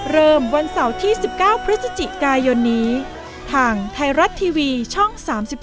เริ่มวันเสาร์ที่๑๙พฤศจิกายนทางไทรัตท์ทีวีช่อง๓๒